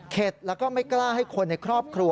แล้วก็ไม่กล้าให้คนในครอบครัว